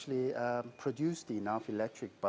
banyak permintaan bus elektrik